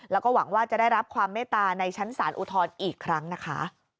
แล้วก็หวังว่าจะได้รับความเมตตาในชั้นศาลอุทธรณ์อีกครั้งนะคะ